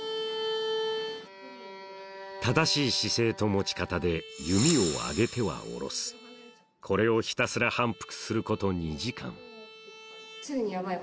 正しい姿勢と持ち方で弓を上げては下ろすこれをひたすら反復すること２時間すでにヤバい